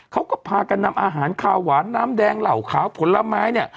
เขาก็พากันนำอาหารขาวหวานน้ำแดงเหล่าขาวผลไม้เนี่ย